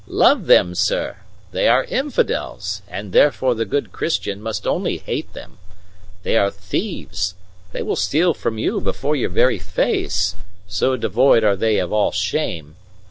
"Love them, sir! They are infidels, and therefore the good Christian must only hate them. They are thieves they will steal from you before your very face, so devoid are they of all shame.